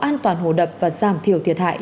an toàn hồ đập và giảm thiểu thiệt hại